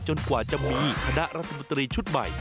กว่าจะมีคณะรัฐมนตรีชุดใหม่